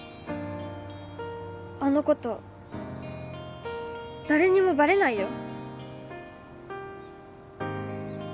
あのこと誰にもバレないよ